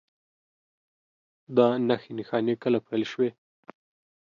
دا نښې نښانې کله پیل شوي؟